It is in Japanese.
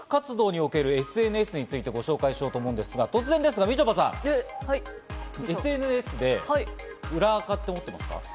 続いては、就職活動におけるＳＮＳについてご紹介しようと思うんですけれども、突然ですがみちょぱさん、ＳＮＳで裏アカって持っていますか？